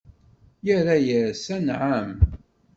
Irra-as: Anɛam!